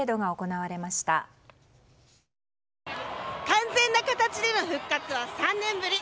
完全な形での復活は３年ぶり。